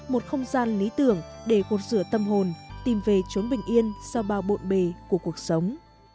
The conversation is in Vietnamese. một không gian lý tưởng để cột dựa tâm hồn tìm về chốn bình yên sau bao bộn bề của cuộc sống